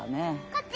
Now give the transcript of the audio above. こっち！